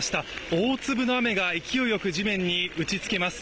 大粒の雨が勢いよく地面に打ち付けます。